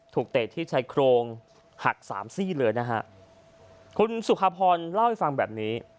เตะที่ชายโครงหักสามซี่เลยนะฮะคุณสุภาพรเล่าให้ฟังแบบนี้